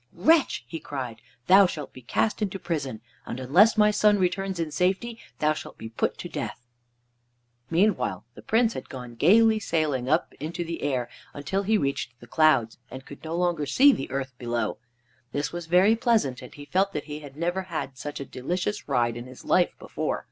"Wretch," he cried, "thou shalt be cast into prison, and unless my son returns in safety, thou shalt be put to death." Meanwhile the Prince had gone gaily sailing up into the air until he reached the clouds, and could no longer see the earth below. This was very pleasant, and he felt that he had never had such a delicious ride in his life before.